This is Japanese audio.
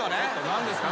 何ですか？